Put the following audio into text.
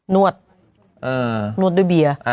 นวดด้วยเบียร์